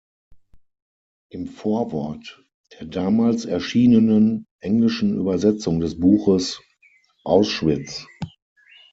Im Vorwort der damals erschienenen englischen Übersetzung des Buches "Auschwitz.